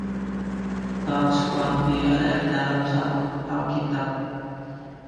Towns County ada di dalam Sabuk Alkitab.